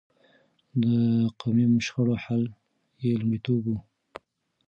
د قومي شخړو حل يې لومړيتوب و.